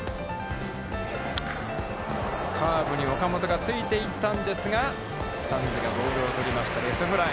カーブに岡本がついていったんですが、サンズがボールを捕りましたレフトフライ。